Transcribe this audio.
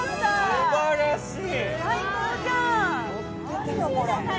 すばらしい。